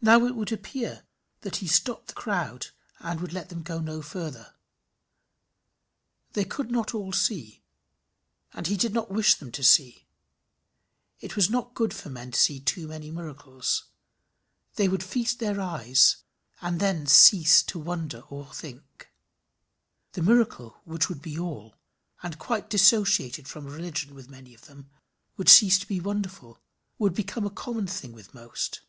Now it would appear that he stopped the crowd and would let them go no farther. They could not all see, and he did not wish them to see. It was not good for men to see too many miracles. They would feast their eyes, and then cease to wonder or think. The miracle, which would be all, and quite dissociated from religion, with many of them, would cease to be wonderful, would become a common thing with most.